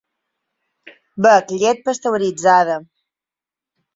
Bec llet pasteuritzada.